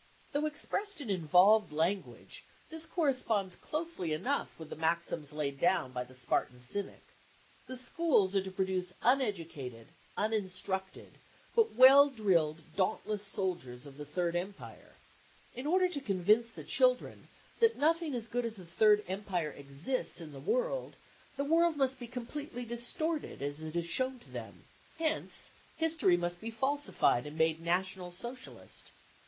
Though expressed in involved language, this corresponds closely enough with the maxims laid down by the Spartan cynic. The schools are to produce uneducated ^( cfi unin structed ") but well drilled, dauntless soldiers of the 44 Thprd THE CAMPAIGN AGAINST CULTURE 187 as good as the " ThiVd Empire " exists in the world, the world must be completely distorted as it is shown to them. Hence history must be falsified and made National Social ist.